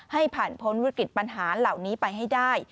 ให้ผ่านพ้นวิกฤตปัญหาเหล่านี้ไปให้ได้